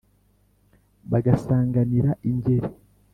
Bagasanganira Ingeri,